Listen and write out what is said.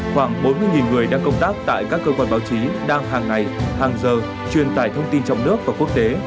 khoảng bốn mươi người đang công tác tại các cơ quan báo chí đang hàng ngày hàng giờ truyền tải thông tin trong nước và quốc tế